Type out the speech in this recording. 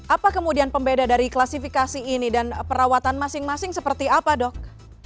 apa kemudian pembeda dari klasifikasi ini dan perawatan masing masing seperti apa dok